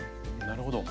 なるほど。